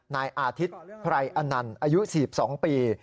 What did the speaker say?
นายอาทิตย์ไพรอนันต์อายุ๔๒ปี